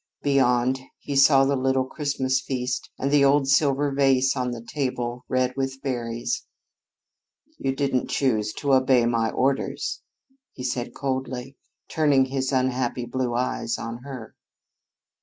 Beyond, he saw the little Christmas feast and the old silver vase on the table, red with berries. "You didn't choose to obey my orders," he said coldly, turning his unhappy blue eyes on her.